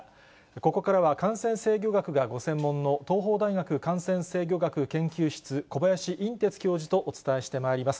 ここからは感染制御学がご専門の東邦大学感染制御学研究室、小林寅てつ教授とお伝えしてまいります。